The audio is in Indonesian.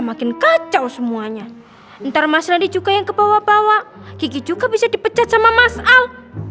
makin kacau semuanya ntar mas nanti juga yang kebawa bawa gigi juga bisa dipecat sama mas al